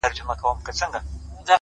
o راډيو؛